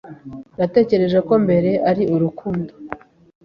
Natekereje ko mbere ari urukundo.